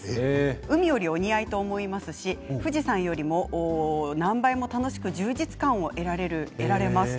海よりお似合いだと思いますし富士山よりも何倍も楽しく充実感が得られます。